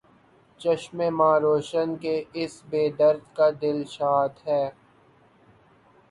چشمِ ما روشن، کہ اس بے درد کا دل شاد ہے